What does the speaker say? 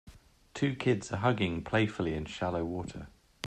Two kids are hugging playfully in shallow water.